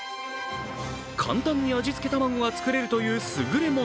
簡単に味付けたまごが作れるというすぐれもの。